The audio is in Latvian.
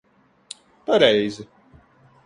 Pareizi.